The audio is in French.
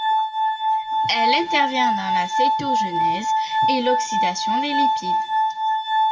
Elle intervient dans la cétogenèse et l'oxydation des lipides.